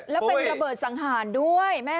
แล้วเป็นระเบิดสังหารด้วย